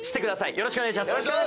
よろしくお願いします！